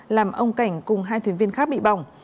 làm ông cảnh cùng hai thuyền viên khác bị bỏng